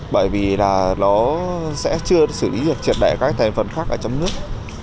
bởi vì nó sẽ chưa xử lý được triệt đại các thành phần khác ở trong nước